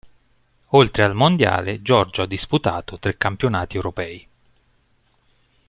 Oltre al mondiale Giorgio ha disputato tre campionati europei.